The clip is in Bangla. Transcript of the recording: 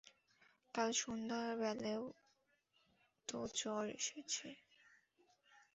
কাল সন্ধেবেলাও তো জ্বর এসেছে?